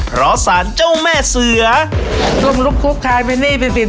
เพราะสารเจ้าแม่เสือช่วงลุบคุกขายไปหนี้ไปสิน